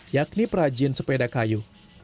yakni perajian sepeda kayu